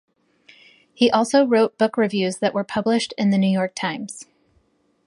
He also wrote book reviews that were published in the New York Times.